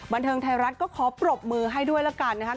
บันเทิงไทยรัฐก็ขอปรบมือให้ด้วยแล้วกันนะครับ